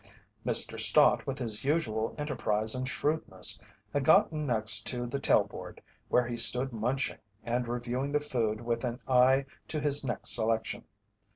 Mr. Stott with his usual enterprise and shrewdness had gotten next to the tail board, where he stood munching and reviewing the food with an eye to his next selection.